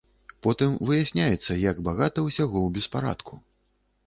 Потым выясняецца, як багата ўсяго ў беспарадку.